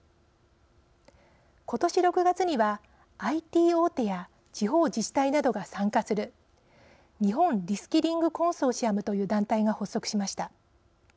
今年６月には、ＩＴ大手や地方自治体などが参加する日本リスキリングコンソーシアムという団体が発足しました。